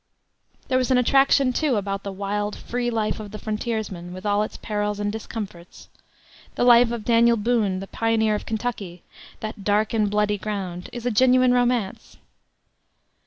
There was an attraction, too, about the wild, free life of the frontiersman, with all its perils and discomforts. The life of Daniel Boone, the pioneer of Kentucky that "dark and bloody ground" is a genuine romance.